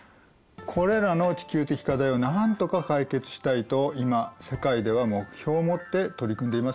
これらの地球的課題をなんとか解決したいと今世界では目標を持って取り組んでいますよ。